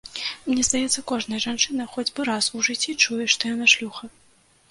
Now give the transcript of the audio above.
Мне здаецца, кожная жанчына хоць бы раз у жыцці чуе, што яна шлюха.